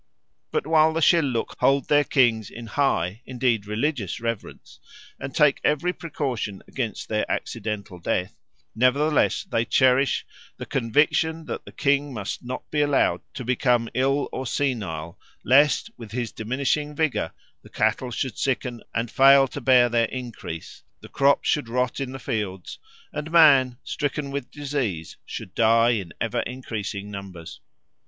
But while the Shilluk hold their kings in high, indeed religious reverence and take every precaution against their accidental death, nevertheless they cherish "the conviction that the king must not be allowed to become ill or senile, lest with his diminishing vigour the cattle should sicken and fail to bear their increase, the crops should rot in the fields, and man, stricken with disease, should die in ever increasing numbers."